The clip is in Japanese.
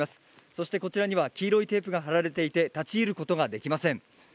そしてこちらには黄色いテープが張られていて、立ち入ることができません。